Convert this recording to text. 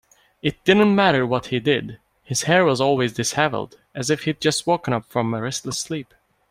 It didn't matter what he did, his hair was always disheveled, as if he'd just woken from a restless sleep.